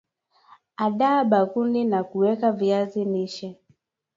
andaa bakuli la kuweka viazi lishe